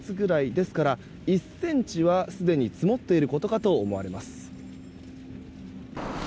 ですから、１ｃｍはすでに積もっているかと思われます。